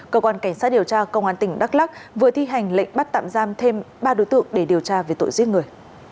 cơ quan cảnh sát điều tra công an tỉnh đắk lắc vừa thi hành lệnh bắt tạm giam thêm ba đối tượng để điều tra về tội giết người